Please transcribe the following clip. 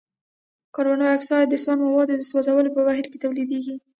کاربن ډای اکسايډ د سون موادو د سوځولو په بهیر کې تولیدیږي.